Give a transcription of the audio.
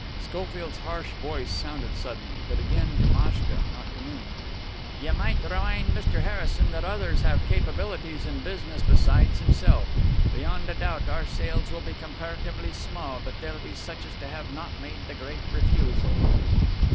Schofield's harsh voice sounded suddenly but again to Maschka, not to me. "Ye might remind Mr. Harrison that others have capabilities in business besides himself. Beyond a doubt our sales will be comparatively small, but they'll be to such as have not made the great refusal."